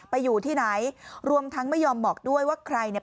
อยู่ที่ไหนรวมทั้งไม่ยอมบอกด้วยว่าใครเนี่ย